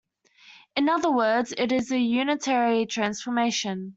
In other words, it is a unitary transformation.